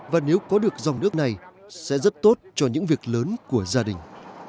và nếu có được dòng nước này sẽ rất tốt cho những việc lớn của gia đình